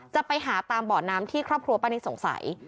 จะไปหาตามบ่อน้ำที่ครอบครัวป้านิตสงสัย